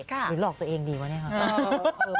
หรือหลอกตัวเองดีวะเนี่ยค่ะ